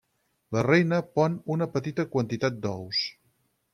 La reina pon una petita quantitat d'ous.